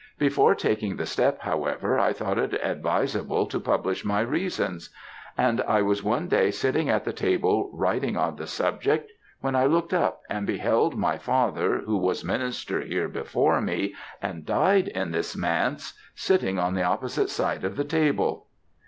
Before taking the step, however, I thought it advisable to publish my reasons; and I was one day sitting at the table writing on the subject, when I looked up, and beheld my father, who was minister here before me, and died in this manse, sitting on the opposite side of the table.'